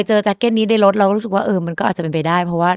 จริงเราแพลนไว้แล้ว